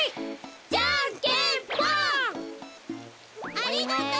ありがとう！